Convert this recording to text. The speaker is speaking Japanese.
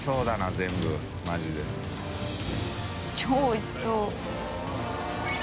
超おいしそう。